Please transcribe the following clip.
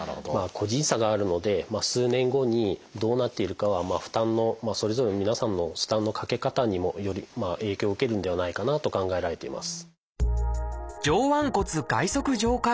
個人差があるので数年後にどうなっているかは負担のそれぞれの皆さんの負担のかけ方にも影響を受けるんではないかなと考えられています。